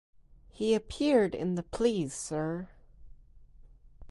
He appeared in the Please Sir!